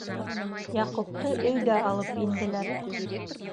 Яҡупты өйгә алып инделәр.